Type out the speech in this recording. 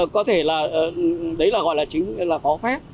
có thể là đấy là gọi là chính là có phép